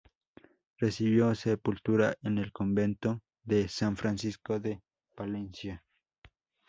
Recibió sepultura en el Convento de San Francisco de Palencia.